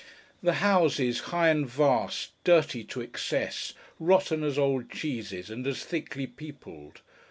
The houses, high and vast, dirty to excess, rotten as old cheeses, and as thickly peopled.